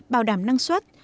bảo đảm năng suất